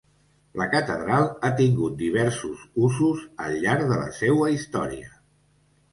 La catedral ha tingut diversos usos al llarg de la seua història.